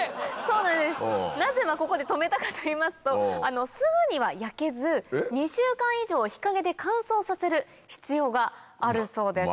なぜ今ここで止めたかといいますとすぐには焼けず２週間以上日陰で乾燥させる必要があるそうです。